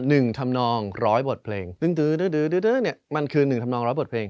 หนึ่งทำนองร้อยบทเพลงตื้อดื้อเนี่ยมันคือหนึ่งทำนองร้อยบทเพลง